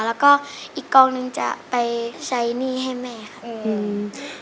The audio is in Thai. แล้วก็อีกกองหนึ่งจะไปใช้หนี้ให้แม่ครับอืม